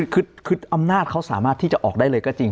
คืออำนาจเขาสามารถที่จะออกได้เลยก็จริง